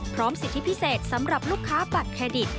สิทธิพิเศษสำหรับลูกค้าบัตรเครดิต